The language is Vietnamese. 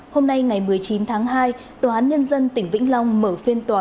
hôm nay ngày một mươi chín tháng hai tòa án nhân dân tỉnh vĩnh long mở phiên tòa